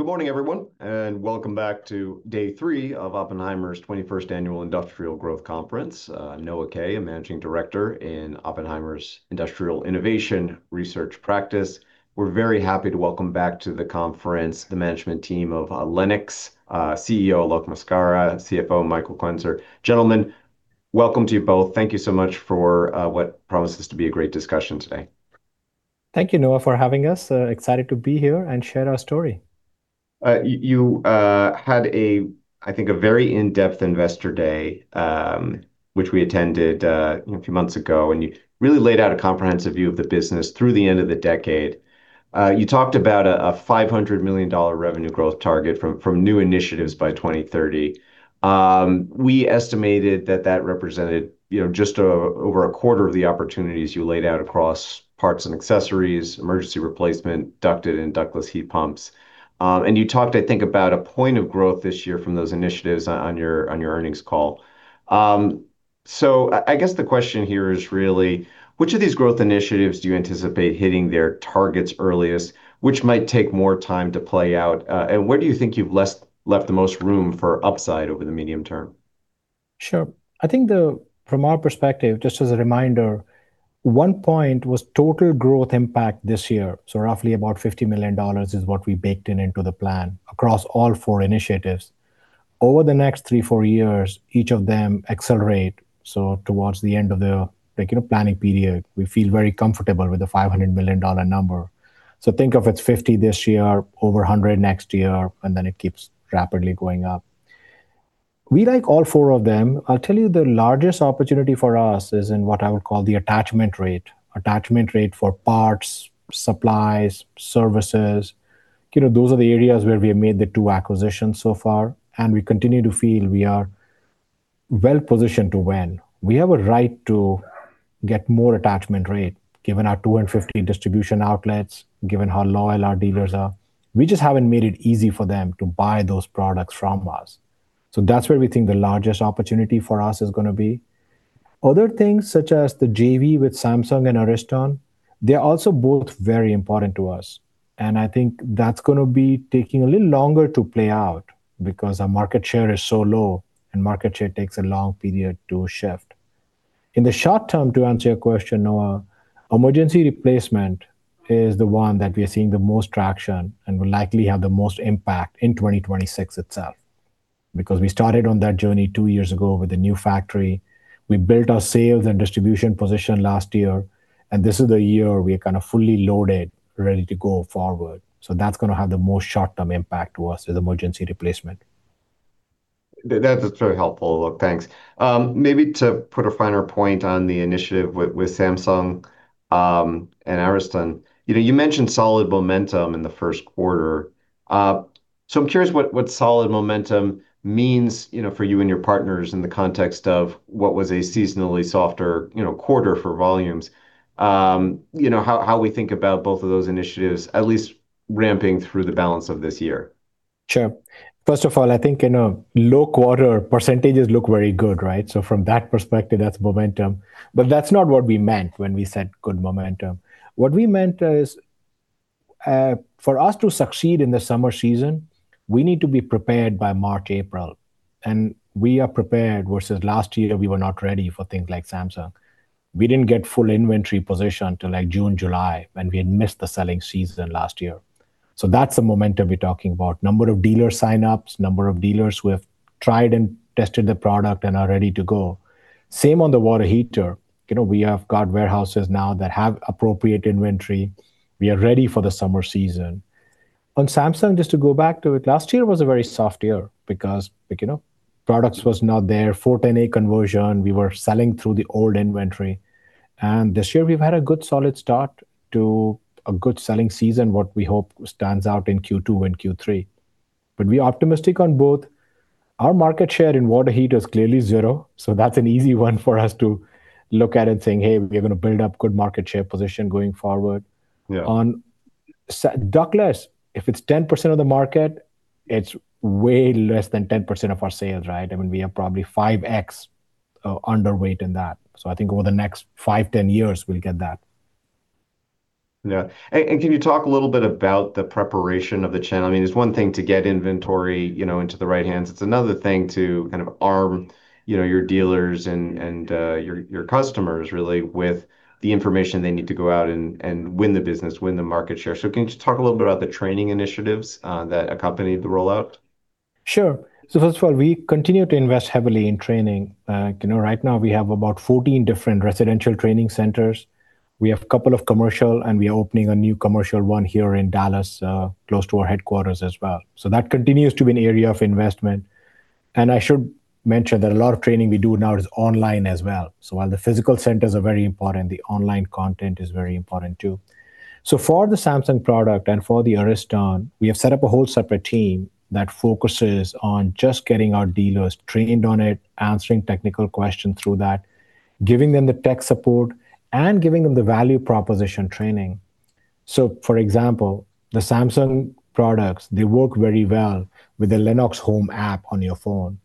Well, good morning, everyone, and welcome back to day three of Oppenheimer's 21st annual industrial growth conference. Noah Kaye, a managing director in Oppenheimer's Industrial Innovation research practice. We're very happy to welcome back to the conference the management team of Lennox, CEO Alok Maskara, CFO Michael Quenzer. Gentlemen, welcome to you both. Thank you so much for what promises to be a great discussion today. Thank you, Noah, for having us. Excited to be here and share our story. You had a, I think, a very in-depth investor day, which we attended, you know, a few months ago, and you really laid out a comprehensive view of the business through the end of the decade. You talked about a $500 million revenue growth target from new initiatives by 2030. We estimated that that represented, you know, just over a quarter of the opportunities you laid out across parts and accessories, emergency replacement, ducted and ductless heat pumps. You talked, I think, about a point of growth this year from those initiatives on your earnings call. I guess the question here is really, which of these growth initiatives do you anticipate hitting their targets earliest? Which might take more time to play out? Where do you think you've left the most room for upside over the medium term? Sure. I think from our perspective, just as a reminder, one point was total growth impact this year, so roughly about $50 million is what we baked into the plan across all four initiatives. Over the next three, four years, each of them accelerate, so towards the end of the, you know, planning period, we feel very comfortable with the $500 million number. Think of it's $50 this year, over $100 next year, then it keeps rapidly going up. We like all four of them. I'll tell you the largest opportunity for us is in what I would call the attachment rate. Attachment rate for parts, supplies, services. You know, those are the areas where we have made the two acquisitions so far, and we continue to feel we are well-positioned to win. We have a right to get more attachment rate, given our 215 distribution outlets, given how loyal our dealers are. We just haven't made it easy for them to buy those products from us. That's where we think the largest opportunity for us is gonna be. Other things, such as the JV with Samsung and Ariston, they're also both very important to us, and I think that's gonna be taking a little longer to play out because our market share is so low, and market share takes a long period to shift. In the short term, to answer your question, Noah, emergency replacement is the one that we are seeing the most traction and will likely have the most impact in 2026 itself. We started on that journey two years ago with a new factory. We built our sales and distribution position last year, and this is the year we're kind of fully loaded, ready to go forward. That's gonna have the most short-term impact to us with emergency replacement. That's very helpful. Look, thanks. Maybe to put a finer point on the initiative with Samsung and Ariston. You know, you mentioned solid momentum in the first quarter. I'm curious what solid momentum means, you know, for you and your partners in the context of what was a seasonally softer, you know, quarter for volumes. You know, how we think about both of those initiatives, at least ramping through the balance of this year. Sure. First of all, I think in a low quarter, percentages look very good, right? From that perspective, that's momentum. That's not what we meant when we said good momentum. What we meant is, for us to succeed in the summer season, we need to be prepared by March, April. We are prepared versus last year we were not ready for things like Samsung. We didn't get full inventory position till, like, June, July, and we had missed the selling season last year. That's the momentum we're talking about. Number of dealer signups, number of dealers who have tried and tested the product and are ready to go. Same on the water heater. You know, we have got warehouses now that have appropriate inventory. We are ready for the summer season. On Samsung, just to go back to it, last year was a very soft year because, like, you know, products was not there. 410A conversion, we were selling through the old inventory. This year we've had a good solid start to a good selling season, what we hope stands out in Q2 and Q3. We are optimistic on both. Our market share in water heater is clearly zero, so that's an easy one for us to look at and saying, "Hey, we're gonna build up good market share position going forward." Yeah. On ductless, if it's 10% of the market, it's way less than 10% of our sales, right? I mean, we are probably 5x underweight in that. I think over the next five, 10 years, we'll get that. Yeah. Can you talk a little bit about the preparation of the channel? I mean, it's one thing to get inventory, you know, into the right hands. It's another thing to kind of arm, you know, your dealers and your customers really with the information they need to go out and win the business, win the market share. Can you just talk a little bit about the training initiatives that accompanied the rollout? Sure. First of all, we continue to invest heavily in training. You know, right now we have about 14 different residential training centers. We have couple of commercial, and we are opening a new commercial one here in Dallas, close to our headquarters as well. That continues to be an area of investment. I should mention that a lot of training we do now is online as well. While the physical centers are very important, the online content is very important too. For the Samsung product and for the Ariston, we have set up a whole separate team that focuses on just getting our dealers trained on it, answering technical questions through that, giving them the tech support, and giving them the value proposition training. For example, the Samsung products, they work very well with the Lennox Home App on your phone.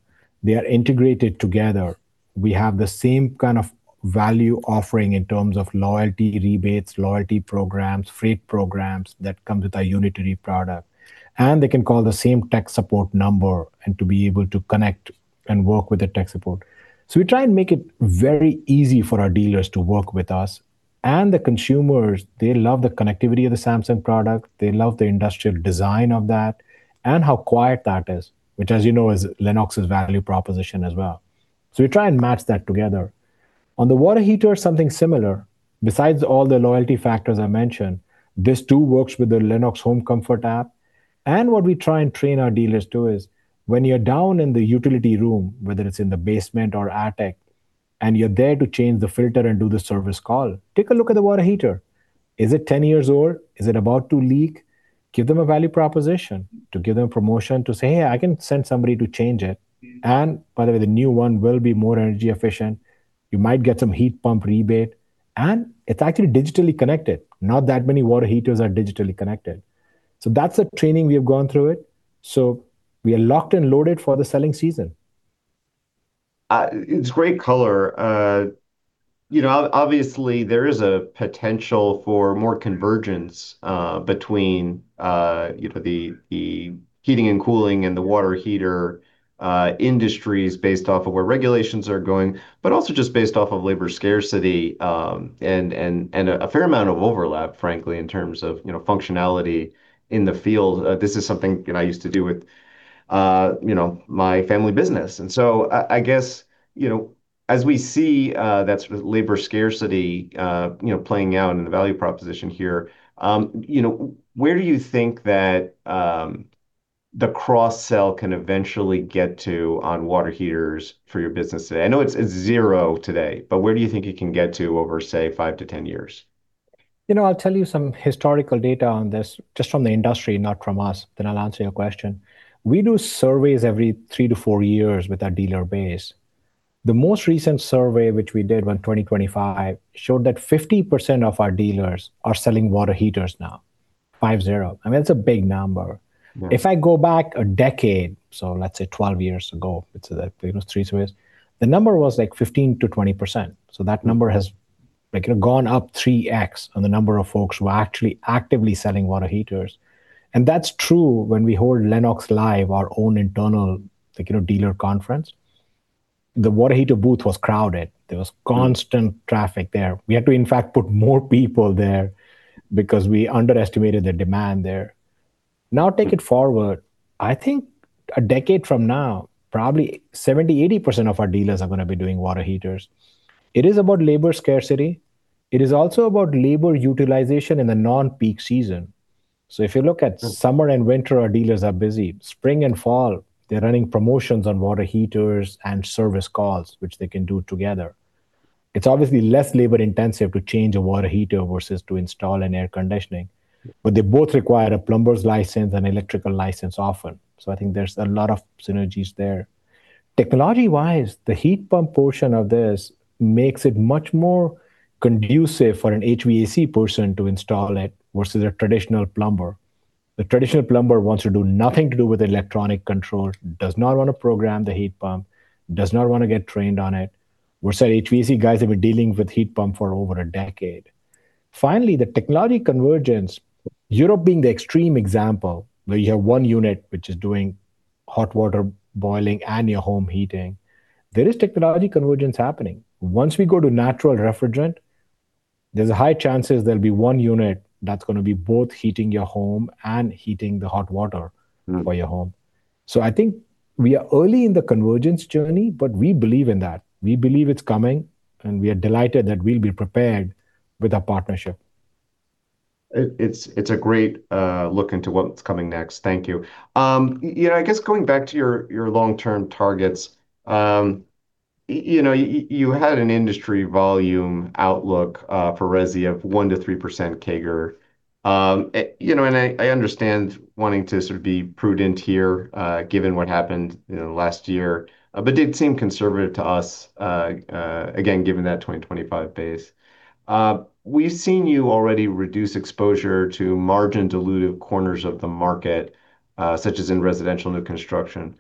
They are integrated together. We have the same kind of value offering in terms of loyalty rebates, loyalty programs, freight programs that comes with our unitary product. They can call the same tech support number and to be able to connect and work with the tech support. We try and make it very easy for our dealers to work with us. The consumers, they love the connectivity of the Samsung product, they love the industrial design of that, and how quiet that is, which as you know is Lennox's value proposition as well. We try and match that together. On the water heater, something similar. Besides all the loyalty factors I mentioned, this too works with the Lennox home comfort app. What we try and train our dealers do is when you're down in the utility room, whether it's in the basement or attic, and you're there to change the filter and do the service call, take a look at the water heater. Is it 10 years old? Is it about to leak? Give them a value proposition to give them promotion to say, "Hey, I can send somebody to change it." By the way, the new one will be more energy efficient. You might get some heat pump rebate, and it's actually digitally connected. Not that many water heaters are digitally connected. That's a training we have gone through it, so we are locked and loaded for the selling season. It's great color. You know, obviously there is a potential for more convergence, between, you know, the heating and cooling and the water heater industries based off of where regulations are going, but also just based off of labor scarcity, and a fair amount of overlap, frankly, in terms of, you know, functionality in the field. This is something, you know, I used to do with, you know, my family business. I guess, you know, as we see that sort of labor scarcity, you know, playing out in the value proposition here, you know, where do you think that the cross sell can eventually get to on water heaters for your business today? I know it's zero today, but where do you think it can get to over, say, five to 10 years? You know, I'll tell you some historical data on this, just from the industry, not from us, then I'll answer your question. We do surveys every three to four years with our dealer base. The most recent survey, which we did on 2025, showed that 50% of our dealers are selling water heaters now. 50, I mean, that's a big number. Yeah. If I go back a decade, let's say 12 years ago, it's, you know, three, [inaudible] the number was like 15%-20%. That number has like gone up 3x on the number of folks who are actually actively selling water heaters. That's true when we hold Lennox LIVE, our own internal, like, you know, dealer conference. The water heater booth was crowded. There was constant traffic there. We had to, in fact, put more people there because we underestimated the demand there. Now take it forward. I think a decade from now, probably 70%, 80% of our dealers are gonna be doing water heaters. It is about labor scarcity. It is also about labor utilization in the non-peak season. If you look at summer and winter, our dealers are busy. Spring and fall, they're running promotions on water heaters and service calls, which they can do together. It's obviously less labor intensive to change a water heater versus to install an air conditioning. They both require a plumber's license and electrical license often. I think there's a lot of synergies there. Technology-wise, the heat pump portion of this makes it much more conducive for an HVAC person to install it versus a traditional plumber. The traditional plumber wants to do nothing to do with electronic control, does not wanna program the heat pump, does not wanna get trained on it, versus HVAC guys have been dealing with heat pump for over a decade. Finally, the technology convergence, Europe being the extreme example, where you have one unit which is doing hot water boiling and your home heating. There is technology convergence happening. Once we go to natural refrigerant, there's a high chances there'll be one unit that's gonna be both heating your home and heating the hot water for your home. I think we are early in the convergence journey, but we believe in that. We believe it's coming, and we are delighted that we'll be prepared with our partnership. It's a great look into what's coming next. Thank you. You know, I guess going back to your long-term targets, you know, you had an industry volume outlook for resi of 1%-3% CAGR. You know, I understand wanting to sort of be prudent here, given what happened, you know, last year, but did seem conservative to us, again, given that 2025 base. We've seen you already reduce exposure to margin dilutive corners of the market, such as in residential new construction.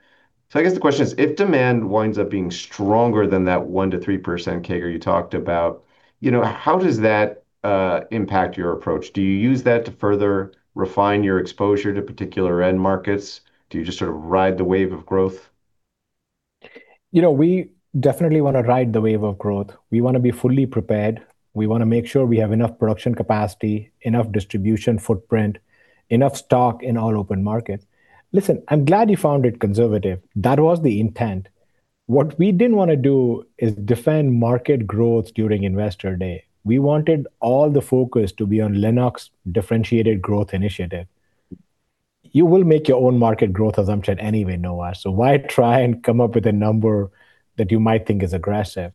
I guess the question is, if demand winds up being stronger than that 1%-3% CAGR you talked about, you know, how does that impact your approach? Do you use that to further refine your exposure to particular end markets? Do you just sort of ride the wave of growth? You know, we definitely wanna ride the wave of growth. We wanna be fully prepared. We wanna make sure we have enough production capacity, enough distribution footprint, enough stock in all open markets. Listen, I'm glad you found it conservative. That was the intent. What we didn't wanna do is defend market growth during Investor Day. We wanted all the focus to be on Lennox differentiated growth initiative. You will make your own market growth assumption anyway, Noah. Why try and come up with a number that you might think is aggressive?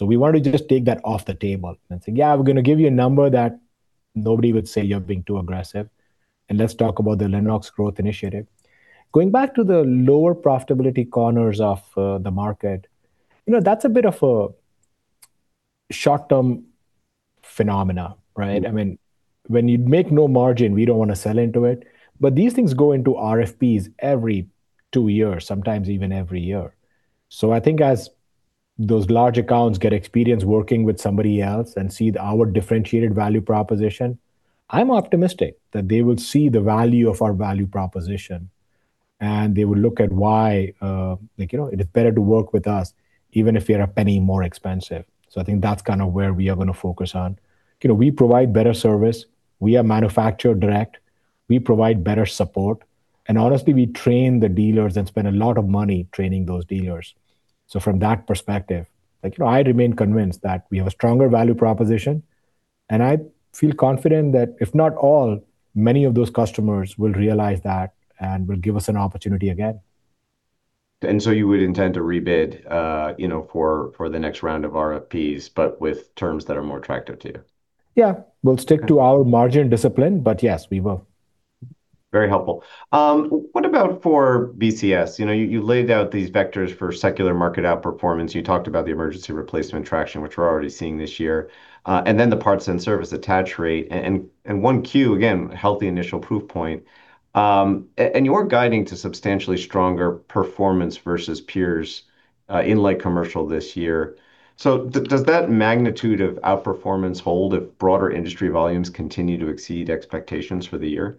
We wanted to just take that off the table and say, "Yeah, we're gonna give you a number that nobody would say you're being too aggressive, and let's talk about the Lennox growth initiative." Going back to the lower profitability corners of the market, you know, that's a bit of a short-term phenomena, right? I mean, when you make no margin, we don't wanna sell into it. These things go into RFPs every two years, sometimes even every year. I think as those large accounts get experience working with somebody else and see our differentiated value proposition, I'm optimistic that they will see the value of our value proposition, and they will look at why, like, you know, it is better to work with us even if we are $0.01 more expensive. I think that's kind of where we are gonna focus on. You know, we provide better service. We are manufacturer direct. We provide better support. Honestly, we train the dealers and spend a lot of money training those dealers. From that perspective, like, you know, I remain convinced that we have a stronger value proposition, and I feel confident that if not all, many of those customers will realize that and will give us an opportunity again. You would intend to rebid, you know, for the next round of RFPs, but with terms that are more attractive to you? Yeah. We'll stick to our margin discipline, but yes, we will. Very helpful. What about for BCS? You know, you laid out these vectors for secular market outperformance. You talked about the emergency replacement traction, which we're already seeing this year, and then the parts and service attach rate. 1Q, again, healthy initial proof point. You're guiding to substantially stronger performance versus peers in light commercial this year. Does that magnitude of outperformance hold if broader industry volumes continue to exceed expectations for the year?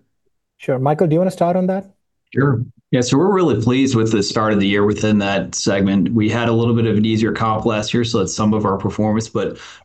Sure. Michael, do you wanna start on that? Sure. We're really pleased with the start of the year within that segment. We had a little bit of an easier comp last year, that's some of our performance.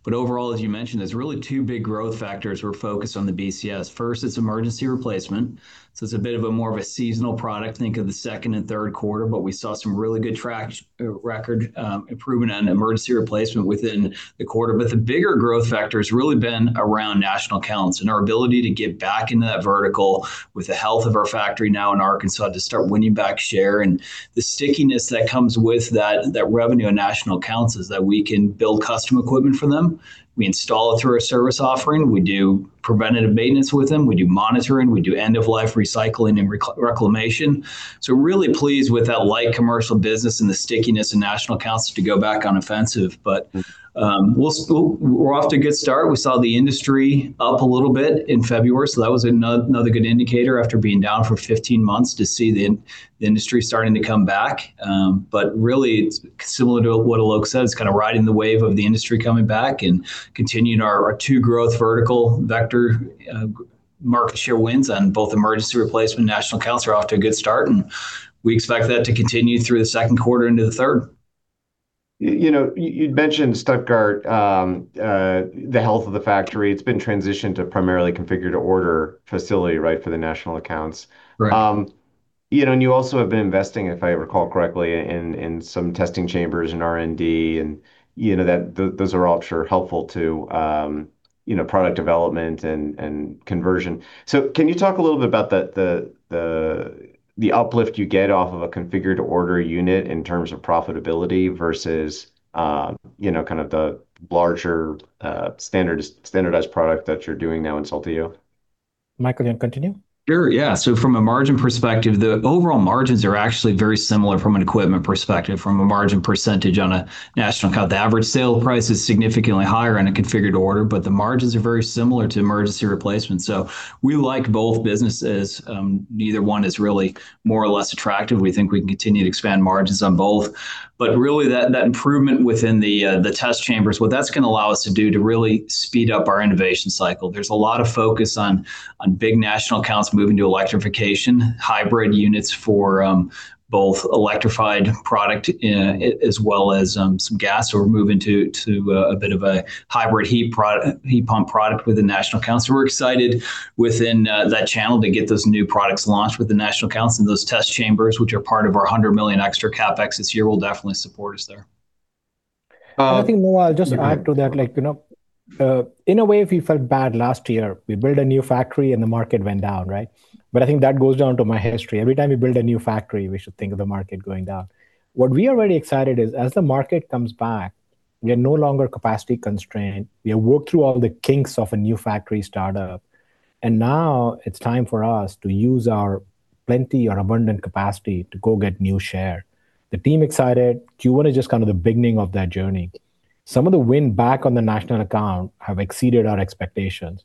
Overall, as you mentioned, there's really two big growth factors we're focused on the BCS. First is emergency replacement, it's a bit of a more of a seasonal product. Think of the second and third quarter, we saw some really good traction, record improvement on emergency replacement within the quarter. The bigger growth factor has really been around national accounts and our ability to get back into that vertical with the health of our factory now in Arkansas to start winning back share. The stickiness that comes with that revenue and national accounts is that we can build custom equipment for them. We install it through our service offering. We do preventative maintenance with them. We do monitoring. We do end of life recycling and reclamation. We're really pleased with that light commercial business and the stickiness in national accounts to go back on offensive. We're off to a good start. We saw the industry up a little bit in February, so that was another good indicator after being down for 15 months to see the industry starting to come back. Really it's similar to what Alok said. It's kind of riding the wave of the industry coming back and continuing our two growth vertical vector market share wins on both emergency replacement. National accounts are off to a good start, and we expect that to continue through the second quarter into the thirdrd. You know, you mentioned Stuttgart, the health of the factory. It's been transitioned to primarily configure to order facility, right? For the national accounts. Right. You know, and you also have been investing, if I recall correctly, in some testing chambers in R&D, and you know that those are all sure helpful to, you know, product development and conversion. Can you talk a little bit about the uplift you get off of a configure to order unit in terms of profitability versus, you know, kind of the larger, standardized product that you're doing now in Saltillo? Michael, you want to continue? Sure, yeah. From a margin perspective, the overall margins are actually very similar from an equipment perspective, from a margin percentage on a national account. The average sale price is significantly higher on a configured order, but the margins are very similar to emergency replacement. We like both businesses. Neither one is really more or less attractive. We think we can continue to expand margins on both. Really that improvement within the test chambers, what that's gonna allow us to do to really speed up our innovation cycle. There's a lot of focus on big national accounts moving to electrification, hybrid units for both electrified product as well as some gas. We're moving to a bit of a hybrid heat pump product with the national accounts. We're excited within that channel to get those new products launched with the national accounts and those test chambers, which are part of our $100 million extra CapEx this year will definitely support us there. I think, Noah, I'll just add to that, like, you know, in a way, we felt bad last year. We built a new factory, and the market went down, right? I think that goes down to my history. Every time we build a new factory, we should think of the market going down. What we are very excited is as the market comes back, we are no longer capacity constrained. We have worked through all the kinks of a new factory startup, and now it's time for us to use our plenty or abundant capacity to go get new share. The team excited. Q1 is just kind of the beginning of that journey. Some of the win back on the national account have exceeded our expectations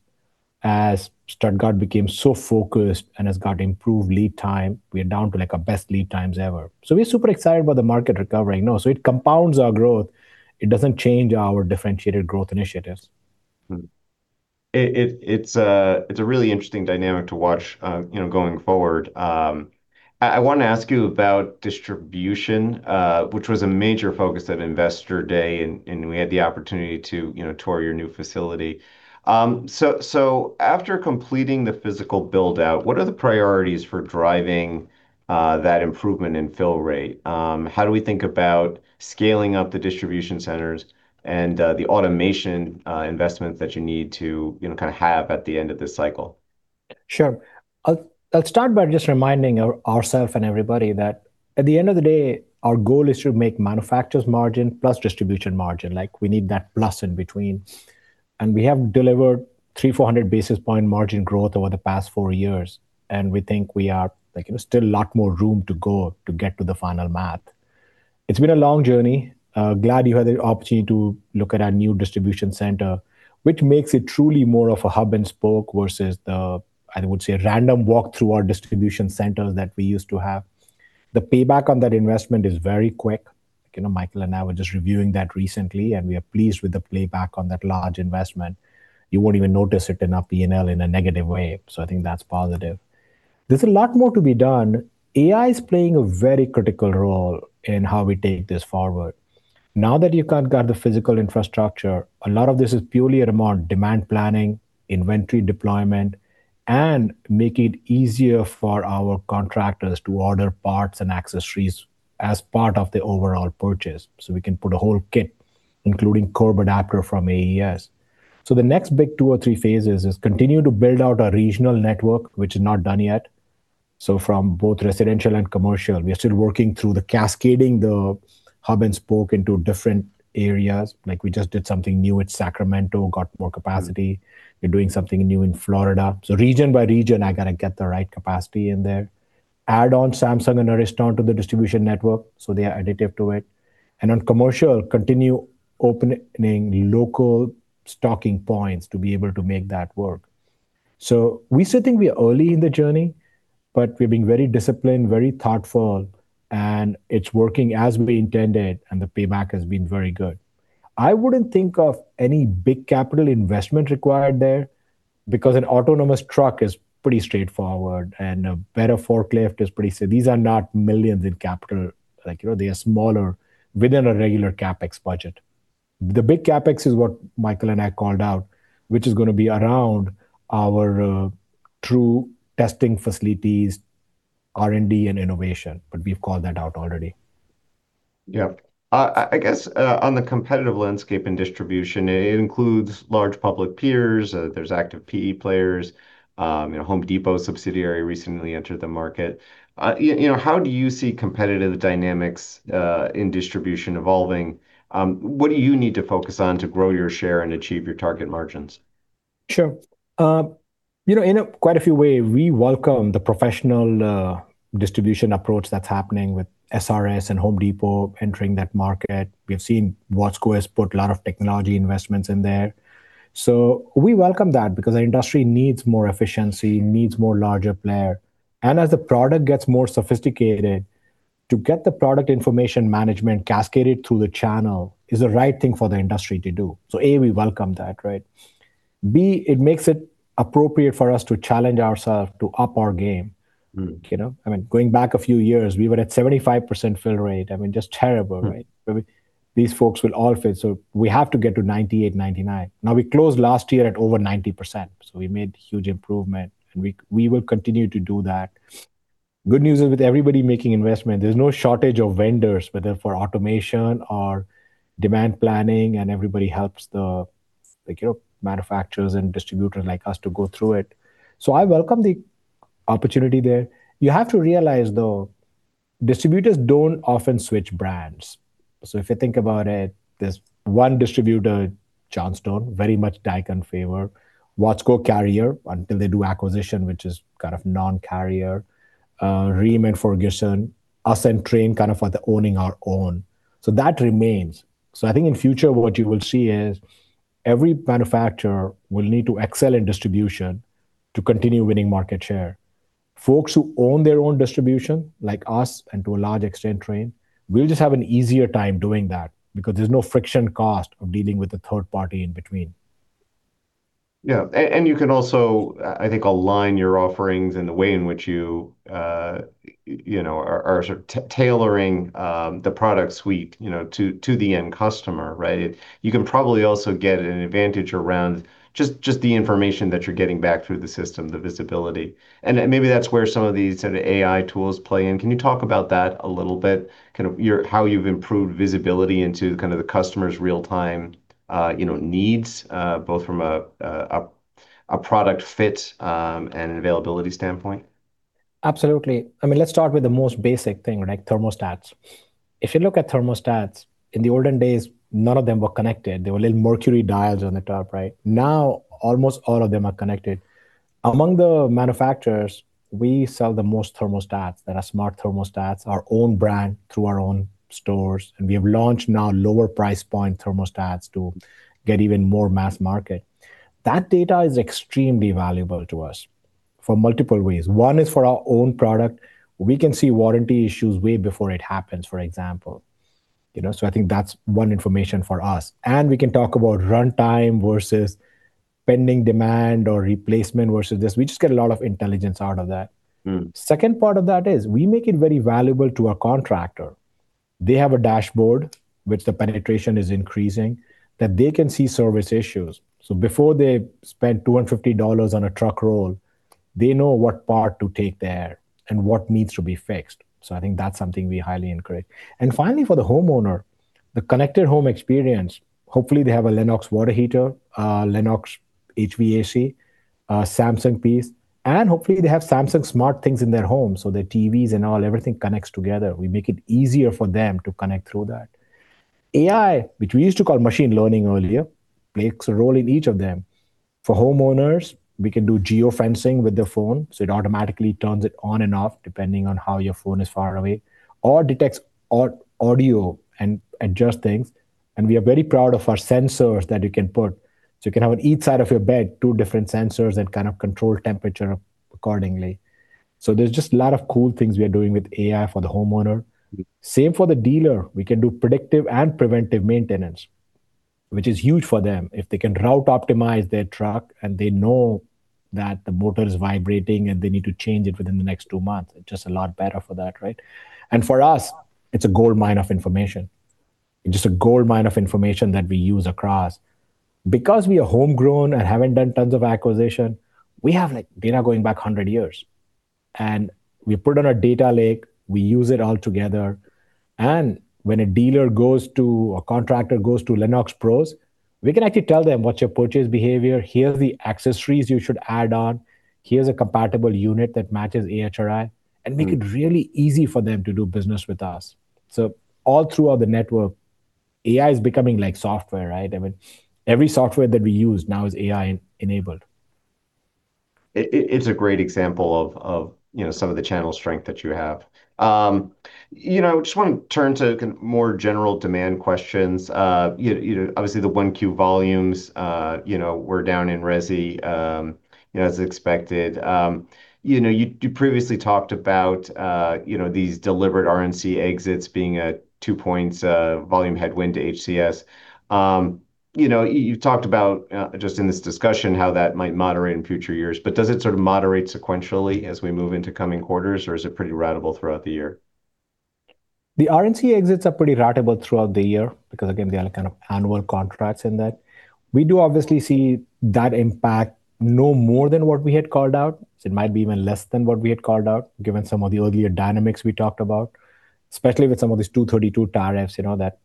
as Stuttgart became so focused and has got improved lead time. We are down to like our best lead times ever. We're super excited about the market recovering. No, it compounds our growth. It doesn't change our differentiated growth initiatives. It's a really interesting dynamic to watch, you know, going forward. I want to ask you about distribution, which was a major focus at Investor Day, and we had the opportunity to, you know, tour your new facility. After completing the physical build-out, what are the priorities for driving that improvement in fill rate? How do we think about scaling up the distribution centers and the automation investment that you need to, you know, kind of have at the end of this cycle? Sure. I'll start by just reminding ourself and everybody that at the end of the day, our goal is to make manufacturer's margin plus distribution margin. Like we need that plus in between. We have delivered 300 basis points-400 basis point margin growth over the past four years, and we think we are, like, you know, still a lot more room to go to get to the final math. It's been a long journey. Glad you had the opportunity to look at our new distribution center, which makes it truly more of a hub and spoke versus the, I would say, a random walk through our distribution centers that we used to have. The payback on that investment is very quick. You know, Michael and I were just reviewing that recently, and we are pleased with the payback on that large investment. You won't even notice it in our PNL in a negative way. I think that's positive. There's a lot more to be done. AI is playing a very critical role in how we take this forward. Now that you've kind of got the physical infrastructure, a lot of this is purely around demand planning, inventory deployment, and making it easier for our contractors to order parts and accessories as part of the overall purchase. We can put a whole kit, including cord and adapter from AES. The next big two or three phases is continue to build out our regional network, which is not done yet. From both residential and commercial, we are still working through the cascading the hub and spoke into different areas. Like, we just did something new with Sacramento, got more capacity. We're doing something new in Florida. Region by region, I gotta get the right capacity in there. Add on Samsung and Ariston to the distribution network so they are additive to it. On commercial, continue opening local stocking points to be able to make that work. We still think we are early in the journey, but we're being very disciplined, very thoughtful, and it's working as we intended and the payback has been very good. I wouldn't think of any big capital investment required there because an autonomous truck is pretty straightforward and a better forklift is pretty these are not millions in capital. Like, you know, they are smaller within a regular CapEx budget. The big CapEx is what Michael and I called out, which is gonna be around our true testing facilities, R&D, and innovation, we've called that out already. Yeah. I guess, on the competitive landscape and distribution, it includes large public peers. There's active PE players. You know, The Home Depot subsidiary recently entered the market. You know, how do you see competitive dynamics in distribution evolving? What do you need to focus on to grow your share and achieve your target margins? Sure. You know, in a quite a few way, we welcome the professional distribution approach that's happening with SRS and The Home Depot entering that market. We have seen Watsco has put a lot of technology investments in there. We welcome that because our industry needs more efficiency, needs more larger player. As the product gets more sophisticated, to get the product information management cascaded through the channel is the right thing for the industry to do. A, we welcome that, right? B, it makes it appropriate for us to challenge ourself to up our game. You know? I mean, going back a few years, we were at 75% fill rate. I mean, just terrible, right? These folks will all fill, so we have to get to 98%, 99%. We closed last year at over 90%, so we made huge improvement and we will continue to do that. Good news is with everybody making investment, there's no shortage of vendors, whether for automation or demand planning, and everybody helps the, like, you know, manufacturers and distributors like us to go through it. I welcome the opportunity there. You have to realize, though, distributors don't often switch brands. If you think about it, there's one distributor, Johnstone, very much Daikin favor. Watsco Carrier until they do acquisition, which is kind of non-Carrier. Ferguson, us and Trane kind of are the owning our own. That remains. I think in future what you will see is every manufacturer will need to excel in distribution to continue winning market share. Folks who own their own distribution, like us and to a large extent Trane, we'll just have an easier time doing that because there's no friction cost of dealing with a third party in between. Yeah. You can also, I think align your offerings and the way in which you know, are sort of tailoring the product suite, you know, to the end customer, right? You can probably also get an advantage around just the information that you're getting back through the system, the visibility. Maybe that's where some of these sort of AI tools play in. Can you talk about that a little bit? How you've improved visibility into kind of the customer's real time, you know, needs, both from a product fit and availability standpoint? Absolutely. I mean, let's start with the most basic thing, like thermostats. If you look at thermostats, in the olden days, none of them were connected. There were little mercury dials on the top, right? Now, almost all of them are connected. Among the manufacturers, we sell the most thermostats that are smart thermostats, our own brand through our own stores, and we have launched now lower price point thermostats to get even more mass market. That data is extremely valuable to us for multiple ways. One is for our own product. We can see warranty issues way before it happens, for example. You know. I think that's one information for us. We can talk about runtime versus pending demand or replacement versus this. We just get a lot of intelligence out of that. Second part of that is we make it very valuable to our contractor. They have a dashboard, which the penetration is increasing, that they can see service issues. Before they spend $250 on a truck roll, they know what part to take there and what needs to be fixed. I think that's something we highly encourage. Finally, for the homeowner, the connected home experience, hopefully they have a Lennox water heater, a Lennox HVAC, a Samsung piece, and hopefully they have Samsung SmartThings in their home, so their TVs and all, everything connects together. We make it easier for them to connect through that. AI, which we used to call machine learning earlier, plays a role in each of them. For homeowners, we can do geofencing with the phone, so it automatically turns it on and off depending on how your phone is far away or detects audio and adjusts things. We are very proud of our sensors that you can put. You can have on each side of your bed two different sensors that kind of control temperature accordingly. There's just a lot of cool things we are doing with AI for the homeowner. Same for the dealer. We can do predictive and preventive maintenance, which is huge for them. If they can route optimize their truck and they know that the motor is vibrating and they need to change it within the next two months, it's just a lot better for that, right? For us, it's a goldmine of information. Just a goldmine of information that we use across. Because we are homegrown and haven't done tons of acquisition, we have, like, data going back 100 years, and we put on a data lake, we use it all together. When a dealer goes to a contractor goes to LennoxPros, we can actually tell them what's your purchase behavior, here are the accessories you should add on, here's a compatible unit that matches AHRI, and make it really easy for them to do business with us. All throughout the network, AI is becoming like software, right? I mean, every software that we use now is AI-enabled. It's a great example of, you know, some of the channel strength that you have. You know, I just wanna turn to more general demand questions. You know, obviously the 1Q volumes, you know, were down in resi, you know, as expected. You know, you previously talked about, you know, these deliberate RNC exits being a two-points volume headwind to HCS. You know, you've talked about just in this discussion how that might moderate in future years. Does it sort of moderate sequentially as we move into coming quarters, or is it pretty ratable throughout the year? The RNC exits are pretty ratable throughout the year because, again, they are kind of annual contracts in that. We do obviously see that impact no more than what we had called out. It might be even less than what we had called out, given some of the earlier dynamics we talked about, especially with some of these Section 232 tariffs, you know, that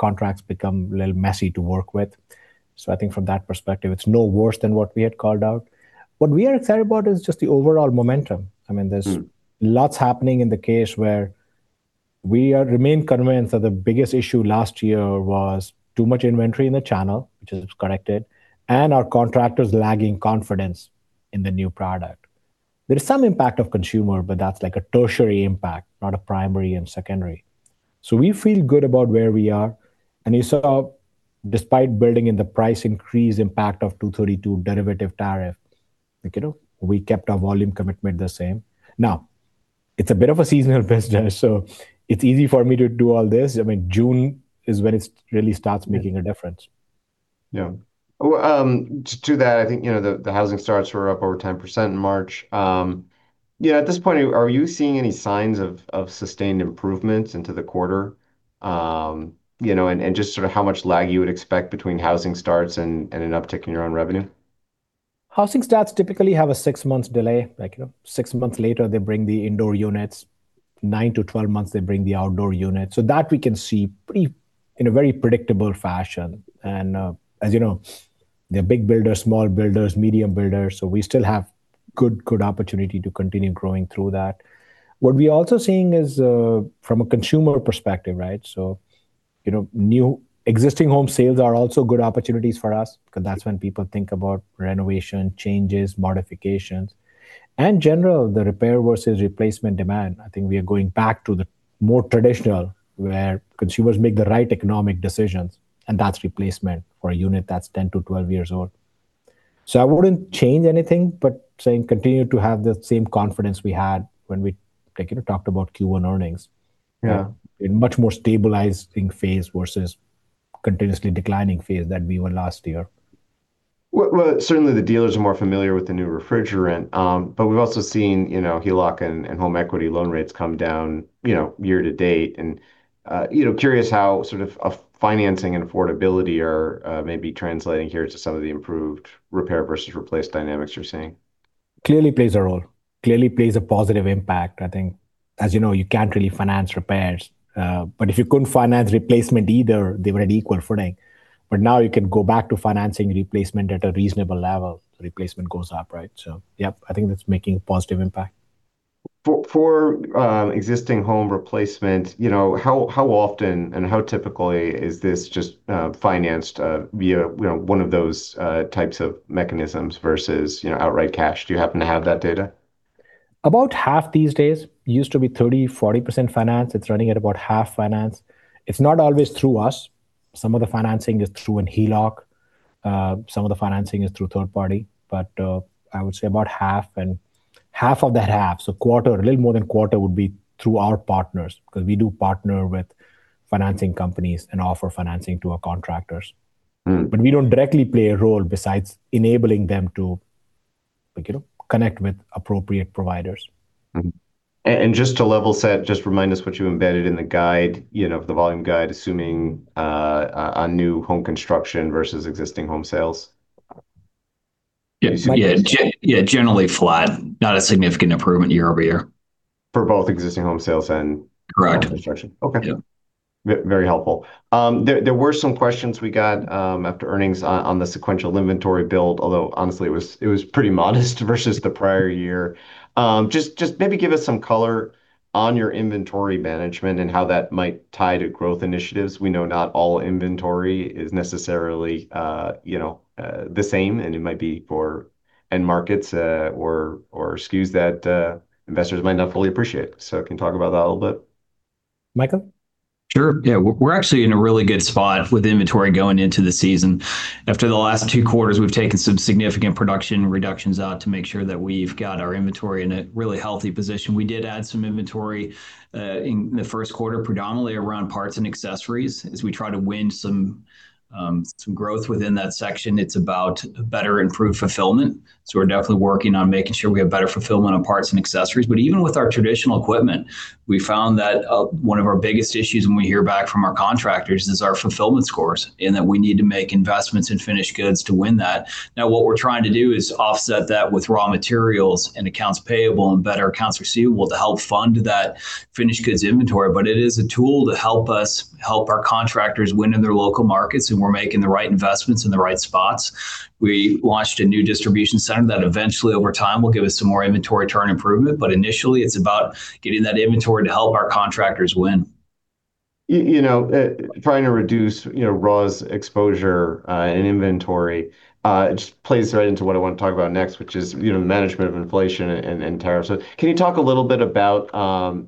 contracts become a little messy to work with. I think from that perspective, it's no worse than what we had called out. What we are excited about is just the overall momentum. Lots happening in the case where we remain convinced that the biggest issue last year was too much inventory in the channel, which is corrected, and our contractors lagging confidence in the new product. There is some impact of consumer, but that's like a tertiary impact, not a primary and secondary. We feel good about where we are, and you saw despite building in the price increase impact of Section 232 derivative tariff, like, you know, we kept our volume commitment the same. It's a bit of a seasonal business, so it's easy for me to do all this. I mean, June is when it's really starts making a difference. Yeah. Well, to that, I think, you know, the housing starts were up over 10% in March. Yeah, at this point, are you seeing any signs of sustained improvements into the quarter? You know, and just sort of how much lag you would expect between housing starts and an uptick in your own revenue. Housing starts typically have a six months delay. Like, you know, six months later, they bring the indoor units. Nine to 12 months, they bring the outdoor units. That we can see in a very predictable fashion. As you know, there are big builders, small builders, medium builders, so we still have good opportunity to continue growing through that. What we're also seeing is from a consumer perspective, right? You know, new existing home sales are also good opportunities for us because that's when people think about renovation, changes, modifications. General, the repair versus replacement demand. I think we are going back to the more traditional where consumers make the right economic decisions, and that's replacement for a unit that's 10-12 years old. I wouldn't change anything, but saying continue to have the same confidence we had when we, like, you know, talked about Q1 earnings. Yeah. In much more stabilizing phase versus continuously declining phase than we were last year. Well, certainly the dealers are more familiar with the new refrigerant. We've also seen, you know, HELOC and home equity loan rates come down, you know, year to date. You know, curious how sort of a financing and affordability are maybe translating here to some of the improved repair versus replace dynamics you're seeing. Clearly plays a role. Clearly plays a positive impact, I think. As you know, you can't really finance repairs. If you couldn't finance replacement either, they were at equal footing. Now you can go back to financing replacement at a reasonable level, replacement goes up, right? Yeah, I think that's making positive impact. For existing home replacement, you know, how often and how typically is this just financed via, you know, one of those types of mechanisms versus, you know, outright cash? Do you happen to have that data? About half these days. Used to be 30%, 40% finance. It's running at about half finance. It's not always through us. Some of the financing is through an HELOC. Some of the financing is through third party. I would say about half, and half of that half, so quarter, a little more than quarter would be through our partners, because we do partner with financing companies and offer financing to our contractors. We don't directly play a role besides enabling them to, like, you know, connect with appropriate providers. Just to level set, just remind us what you embedded in the guide, you know, the volume guide, assuming on new home construction versus existing home sales. Yeah. Yeah. Generally flat. Not a significant improvement year-over-year. For both existing home sales? Correct. And home construction? Okay. Yeah. Very helpful. There were some questions we got after earnings on the sequential inventory build, although honestly, it was pretty modest versus the prior year. Just maybe give us some color on your inventory management and how that might tie to growth initiatives. We know not all inventory is necessarily, you know, the same, and it might be for end markets, or SKUs that investors might not fully appreciate. Can you talk about that a little bit? Michael? Sure. Yeah, we're actually in a really good spot with inventory going into the season. After the last two quarters, we've taken some significant production reductions out to make sure that we've got our inventory in a really healthy position. We did add some inventory in the first quarter, predominantly around parts and accessories as we try to win some growth within that section. It's about better improved fulfillment. We're definitely working on making sure we have better fulfillment on parts and accessories. Even with our traditional equipment, we found that one of our biggest issues when we hear back from our contractors is our fulfillment scores, and that we need to make investments in finished goods to win that. Now, what we're trying to do is offset that with raw materials and accounts payable and better accounts receivable to help fund that finished goods inventory. It is a tool to help us help our contractors win in their local markets, and we're making the right investments in the right spots. We launched a new distribution center that eventually over time will give us some more inventory turn improvement. Initially, it's about getting that inventory to help our contractors win. You know, trying to reduce, you know, raw's exposure, in inventory, just plays right into what I want to talk about next, which is, you know, management of inflation and tariffs. Can you talk a little bit about,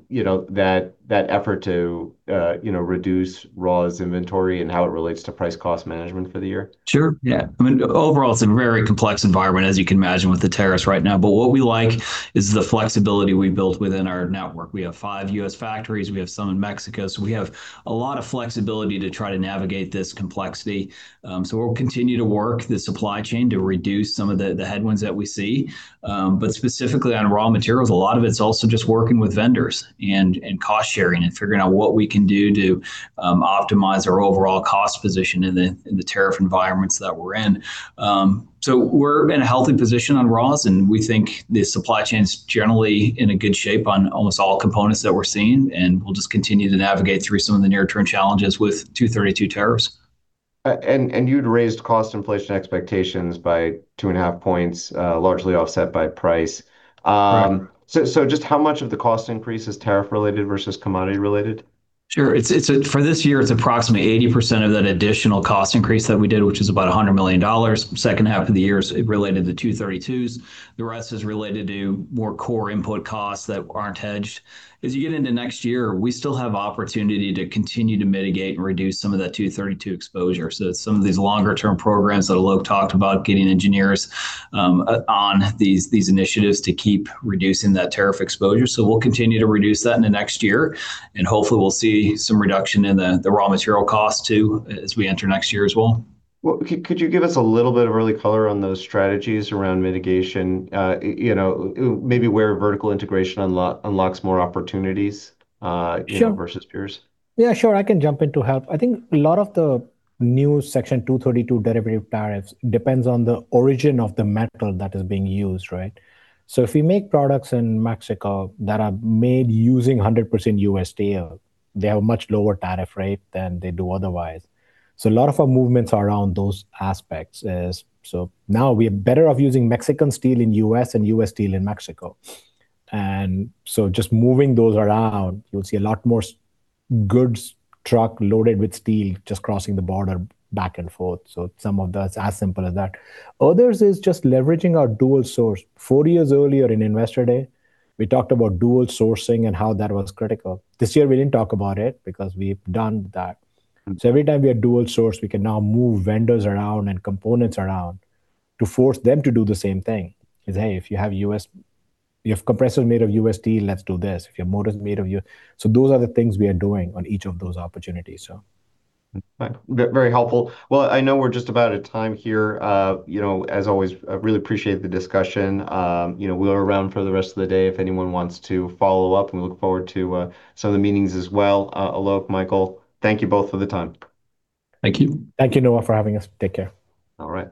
you know, that effort to, you know, reduce raw's inventory and how it relates to price cost management for the year? Sure, yeah. I mean, overall, it's a very complex environment, as you can imagine, with the tariffs right now. What we like is the flexibility we've built within our network. We have five U.S. factories. We have some in Mexico. We have a lot of flexibility to try to navigate this complexity. We'll continue to work the supply chain to reduce some of the headwinds that we see. Specifically on raw materials, a lot of it's also just working with vendors and cost sharing and figuring out what we can do to optimize our overall cost position in the tariff environments that we're in. We're in a healthy position on raw, and we think the supply chain's generally in a good shape on almost all components that we're seeing, and we'll just continue to navigate through some of the near-term challenges with Section 232 tariffs. You'd raised cost inflation expectations by 2.5 points, largely offset by price. Right. Just how much of the cost increase is tariff related versus commodity related? Sure. It's for this year, it's approximately 80% of that additional cost increase that we did, which is about $100 million. Second half of the year is related to 232's. The rest is related to more core input costs that aren't hedged. As you get into next year, we still have opportunity to continue to mitigate and reduce some of that 232 exposure. Some of these longer term programs that Alok talked about, getting engineers on these initiatives to keep reducing that tariff exposure. We'll continue to reduce that into next year, and hopefully we'll see some reduction in the raw material cost too as we enter next year as well. Well, could you give us a little bit of early color on those strategies around mitigation? You know, maybe where vertical integration unlocks more opportunities? Sure You know, versus peers? Yeah, sure. I can jump in to help. I think a lot of the new Section 232 derivative tariffs depends on the origin of the metal that is being used, right? If we make products in Mexico that are made using 100% U.S. steel, they have much lower tariff rate than they do otherwise. Now we are better off using Mexican steel in U.S. and U.S. steel in Mexico. Just moving those around, you'll see a lot more goods truck loaded with steel just crossing the border back and forth. Some of that's as simple as that. Others is just leveraging our dual source. Four years earlier in Investor Day, we talked about dual sourcing and how that was critical. This year we didn't talk about it because we've done that. Every time we are dual source, we can now move vendors around and components around to force them to do the same thing. Is, "Hey, You have compressors made of U.S. steel, let's do this. If your motor's made of U.S." Those are the things we are doing on each of those opportunities, so. Very helpful. Well, I know we're just about at time here. You know, as always, I really appreciate the discussion. You know, we're around for the rest of the day if anyone wants to follow up, and look forward to some of the meetings as well. Alok, Michael, thank you both for the time. Thank you. Thank you, Noah, for having us. Take care. All right.